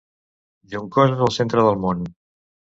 Juncosa és el centre del món.